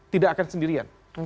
tidak akan sendirian